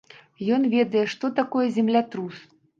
Ён ведае, што такое землятрус.